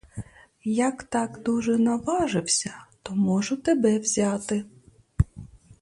Як так дуже наважився, то можу тебе взяти.